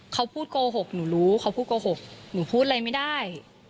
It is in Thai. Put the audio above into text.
เขาพูดโกหกหนูรู้เขาพูดโกหกหนูพูดอะไรไม่ได้